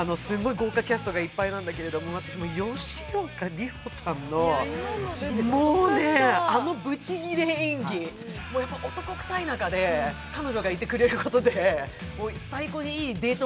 豪華キャストがいっぱいなんだけど吉岡里帆さんのもうね、あのブチギレ演技、やっぱり男臭いなかで彼女がいてくれる中で最高にいいデート